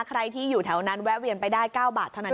ใครที่อยู่แถวนั้นแวะเวียนไปได้๙บาทเท่านั้นเอง